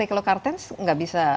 kalau kartens nggak bisa